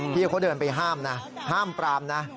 พี่เขาเดินไปห้ามนะห้ามปรามนะ